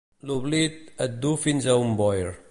L'oblit et du fins a un boir